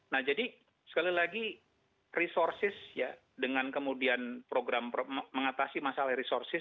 nah jadi sekali lagi resources ya dengan kemudian program mengatasi masalah resources